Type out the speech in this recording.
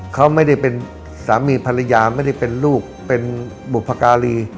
เขาไม่ได้เป็นสามีภรรยาไม่ได้เป็นลูกเป็นบุพการี